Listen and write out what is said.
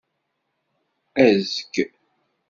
Ezg.